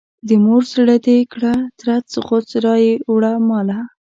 د مور زړه دې کړه ترې غوڅ رایې وړه ماله.